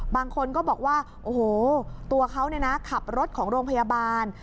บางคนก็บอกว่าโอ้โหตัวเขาขับรถของโรงพยาบาล